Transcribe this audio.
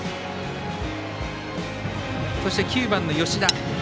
そして９番の吉田。